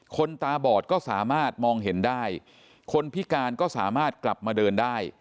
คนตาบอดก็สามารถมองเห็นได้คนพิการก็สามารถกลับมาเดินได้